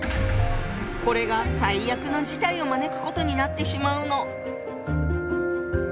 これが最悪の事態を招くことになってしまうの。